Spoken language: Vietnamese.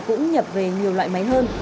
cũng nhập về nhiều loại máy hơn